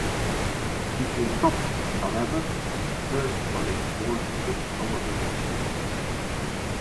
It was not, however, the first modern four-stroke snowmobile produced.